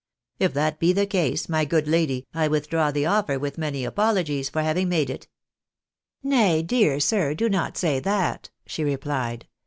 " If that be the case, my good lady, I withdraw the offer with many apologies for having made it." " Nay, dear sir, do not say that," she replied.